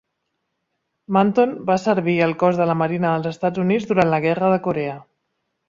Manton va servir al cos de la Marina dels Estats Units durant la guerra de Corea.